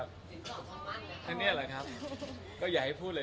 ก็บอกว่าพี่อยู่ดีตัวนี้เป็นชุดสินสอดนะนะคะ